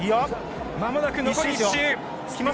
まもなく残り１周！